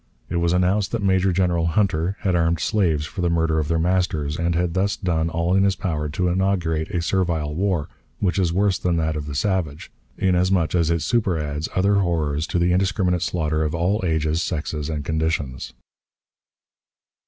It was announced that Major General Hunter had armed slaves for the murder of their masters, and had thus done all in his power to inaugurate a servile war, which is worse than that of the savage, inasmuch as it super adds other horrors to the indiscriminate slaughter of all ages, sexes, and conditions.